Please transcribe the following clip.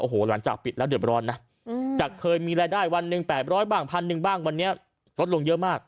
โอ้โหหลังจากปิดแล้วเดือบร้อนนะจากเคยมีรายได้วันหนึ่ง๘๐๐บ้างพันหนึ่งบ้างวันนี้ลดลงเยอะมาก